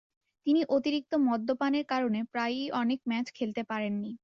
তিনি অতিরিক্ত মদ্যপানের কারণে প্রায়ই অনেক ম্যাচ খেলতে পারেননি।